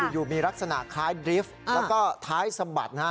อยู่มีลักษณะคล้ายดริฟท์แล้วก็ท้ายสะบัดนะฮะ